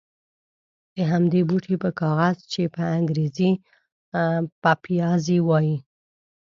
د همدې بوټي په کاغذ چې په انګرېزي پپیازي وایي.